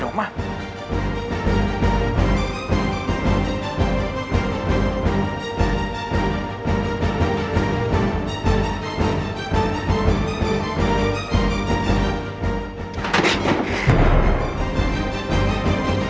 kalau tidak sampai kasian